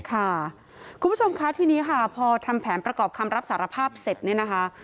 คุณผู้ชมคะทีนี้ค่ะพอทำแผนประกอบคำรับสารภาพเสร็จเนี่ยนะคะ